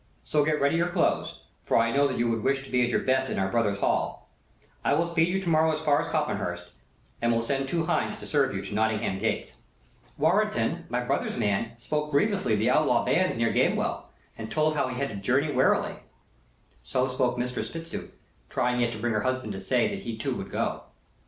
So get ready your clothes, for I know that you would wish to be at your best in our brother's hall. I will speed you to morrow so far as Copmanhurst, and will send two hinds to serve you to Nottingham gates." "Warrenton, my brother's man, spoke grievously of the outlaw bands near Gamewell, and told how he had to journey warily," So spoke Mistress Fitzooth, trying yet to bring her husband to say that he too would go.